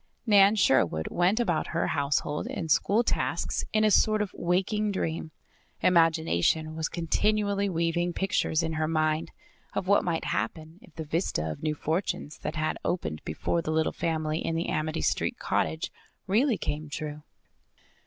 Nan Sherwood went about her household and school tasks in a sort of waking dream. Imagination was continually weaving pictures in her mind of what might happen if the vista of new fortunes that had opened before the little family in the Amity Street cottage really came true.